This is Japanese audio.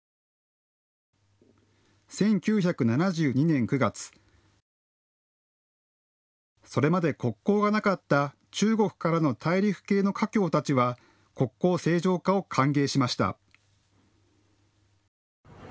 １９７２年９月、それまで国交がなかった中国からの大陸系の華僑たちは国交正常化を歓迎しました。